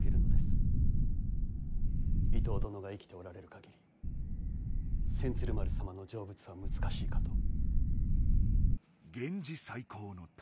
伊東殿が生きておられる限り千鶴丸様の成仏は難しいかと。